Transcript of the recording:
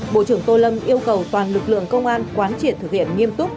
bộ trưởng tô lâm yêu cầu toàn lực lượng công an quán triệt thực hiện nghiêm túc